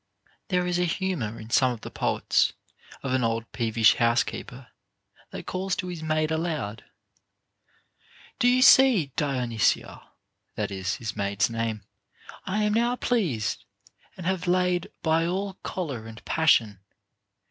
There is an humor in some of the poets, of an old peev ish housekeeper, that calls to his maid aloud : Do you see, Dionysia (that is his maid's name), I am now pleased, and have laid by all choler and passion.